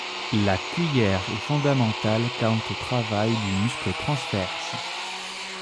La cuillère est fondamentale quant au travail du muscle transverse.